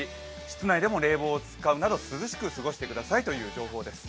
室内でも冷房を使うなど涼しく過ごしてくださいという情報です。